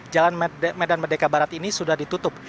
jalan medan merdeka barat ini sudah ditutup